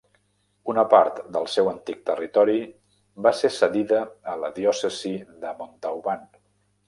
Una part del seu antic territori va ser cedida a la diòcesi de Montauban.